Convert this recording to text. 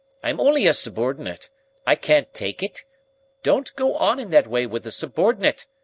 I'm only a subordinate. I can't take it. Don't go on in that way with a subordinate.